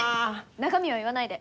中身は言わないで。